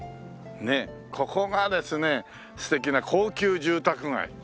ここがですね素敵な高級住宅街。